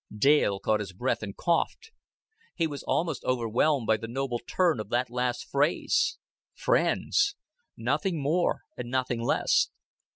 Dale caught his breath and coughed. He was almost overwhelmed by the noble turn of that last phrase. Friends! Nothing more, and nothing less.